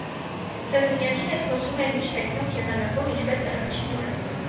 Զազունյանի հետ խոսում էր միշտ հեգնող եղանակով, ինչպես առաջին օրը.